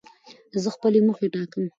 زه خپلي موخي ټاکم.